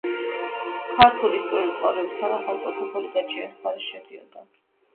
ქართული ისტორიული წყაროების თანახმად წოფოფორი გაჩიანის მხარეში შედიოდა.